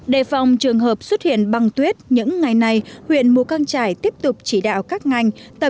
đề phòng trường hợp xuất hiện băng tuyết những ngày này huyện mù căng trải tiếp tục chỉ đạo các cơ quan chuyên môn xuất hiện băng tuyết